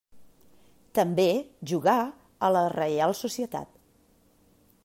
També jugà a la Reial Societat.